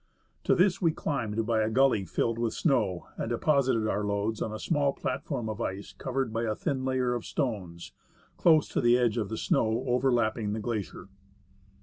To this we climbed by a gully filled with snow, and deposited our loads on a small platform of ice covered by a thin layer of stones, close to the edge of the snow overlapping the glacier.